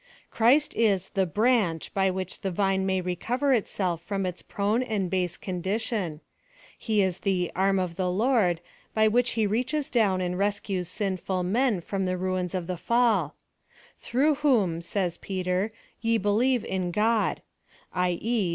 Christ is the * Branch' by which the vine may recover itself from its prone and base condition: he is the 'Arm of the Lord' by which he reaches down and rescues sinful men from the ruins of the fall: "through whom," says Peter, "ye believe in Godj''^ [i. e.